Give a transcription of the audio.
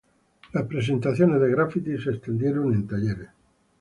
La presentaciones de grafiti se extendieron en talleres.